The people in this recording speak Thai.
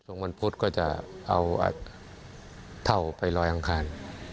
วันพุธก็จะเอาเท่าไปลอยอังคาร